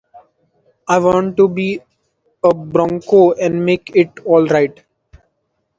I want to be a Bronco and make it all right.